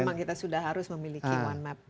memang kita sudah harus memiliki one map